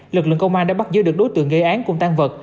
lực lượng công an đã bắt giữ được đối tượng gây án cùng tan vật